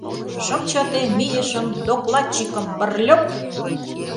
Шым чыте, мийышым, докладчикым — брльоп!